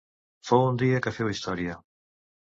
Fou un dia que féu història.